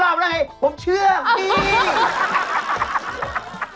๒รอบเลยผมเชื่อนี่